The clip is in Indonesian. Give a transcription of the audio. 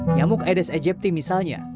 nyamuk aedes aegypti misalnya